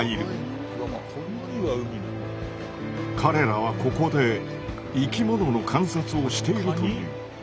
彼らはここで生きものの観察をしているという。